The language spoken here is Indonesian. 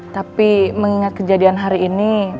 tapi mengingat kejadian hari ini